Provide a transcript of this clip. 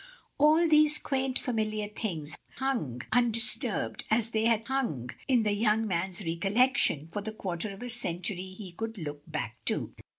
All these quaint familiar things hung undisturbed as they had hung in the young man's recollection for the quarter of a cen tury he could look back to.